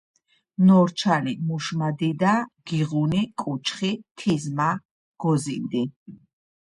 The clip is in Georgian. ნორჩალი მუშმადიდა გიღუნი კუჩხი თიზმა გოზინდი